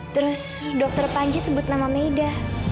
terus dokter panji sebut nama maida